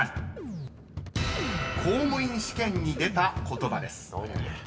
［公務員試験に出た言葉です］